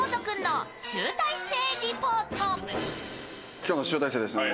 今日の集大成ですね